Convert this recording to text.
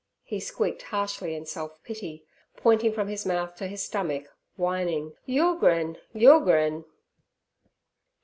he squeaked harshly in self pity, pointing from his mouth to his stomach, whining, 'Yulegrin! yulegrin!'